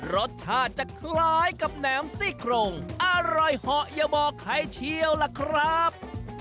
รสชาติจะคล้ายกับแหนมซี่โครงอร่อยเหาะอย่าบอกใครเชียวล่ะครับ